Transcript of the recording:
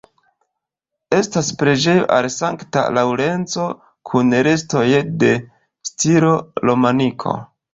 Estas preĝejo al Sankta Laŭrenco kun restoj de stilo romaniko.